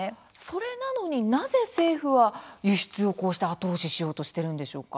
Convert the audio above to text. それなのになぜ政府は輸出をこうして後押ししようとしているんでしょうか？